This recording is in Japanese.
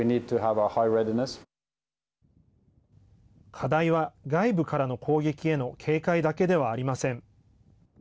課題は外部からの攻撃への警戒だけではありません。